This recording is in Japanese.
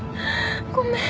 ごめん。